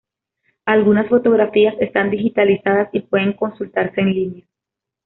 Algunas fotografías están digitalizadas y pueden consultarse en línea.